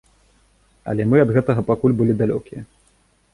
Але мы ад гэтага пакуль былі далёкія.